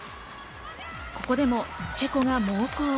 ここでもチェコが猛攻。